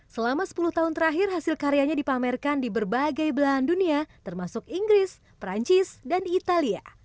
selama sepuluh tahun terakhir hasil karyanya dipamerkan di berbagai belahan dunia termasuk inggris perancis dan italia